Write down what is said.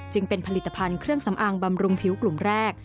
จึงเป็นผลิตภัณฑ์เครื่องสำอางบำรุงผิวกลุ่มแรก